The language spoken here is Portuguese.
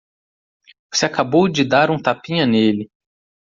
Você acabou de dar um tapinha nele.